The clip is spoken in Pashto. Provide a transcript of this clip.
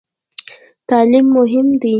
تعلیم مهم دی؟